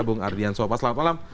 bung ardian sopa selamat malam